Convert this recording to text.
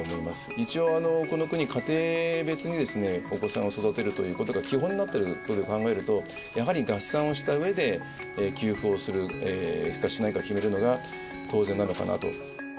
一応、この国、家庭別にお子さんを育てるということが基本になっているということを考えると、やはり合算をしたうえで給付をするかしないか決めるのが当然なのかなと。